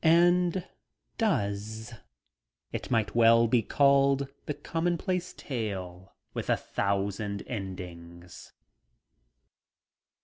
And does. It might well be called "The Commonplace Tale with a Thousand Endings."